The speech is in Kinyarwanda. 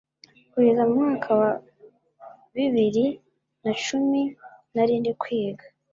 Kugeza mu mwaka wa bibiri na cumi narindi kwiga